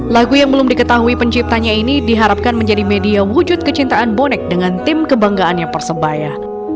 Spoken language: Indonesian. lagu yang belum diketahui penciptanya ini diharapkan menjadi media wujud kecintaan bonek dengan tim kebanggaannya persebaya